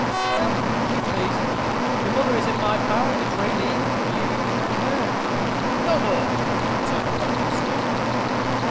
"Well, as you please. Your mother is in my power. Betray me, and you betray her." "No more!" returned Ranulph, sternly.